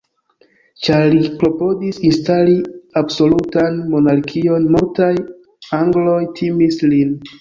Ĉar li klopodis instali absolutan monarkion, multaj angloj timis lin.